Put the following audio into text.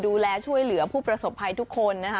ดูแลช่วยเหลือผู้ประสบภัยทุกคนนะคะ